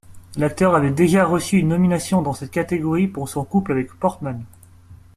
L'acteur avait déjà reçu une nomination dans cette catégorie pour son couple avec Portman.